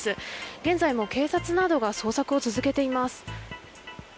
現在も警察などが捜索を続けています。